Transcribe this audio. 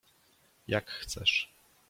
— Jak chcesz.